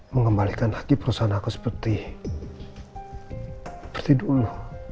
mengembalikan lagi perusahaan aku seperti seperti dulu